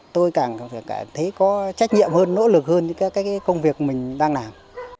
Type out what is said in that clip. tôi càng cảm thấy có trách nhiệm hơn nỗ lực hơn với các cái công việc mình đang làm